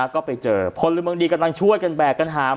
ก็ไปเจอพลเมืองดีกำลังช่วยกันแบกกันหาม